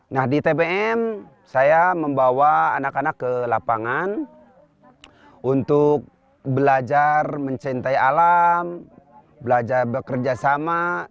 nah di tbm saya membawa anak anak ke lapangan untuk belajar mencintai alam belajar bekerja sama